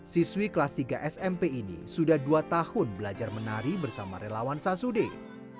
siswi kelas tiga smp ini sudah dua tahun belajar menari bersama relawan sasudin